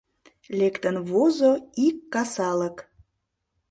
Лектын возо ик касалык